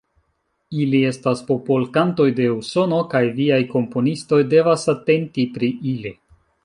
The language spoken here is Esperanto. Ili estas popolkantoj de Usono kaj viaj komponistoj devas atenti pri ili.